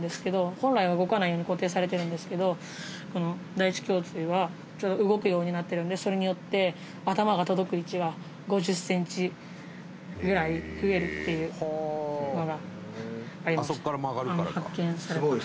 本来は、動かないように固定されてるんですけどこの第一胸椎は動くようになってるんでそれによって頭が届く位置が５０ｃｍぐらい増えるっていうのがあります。